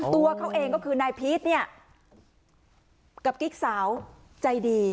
ตัวเขาเองก็คือนายพีชเนี่ยกับกิ๊กสาวใจดี